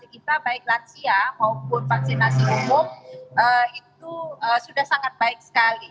jadi kita baik lansia maupun vaksinasi umum itu sudah sangat baik sekali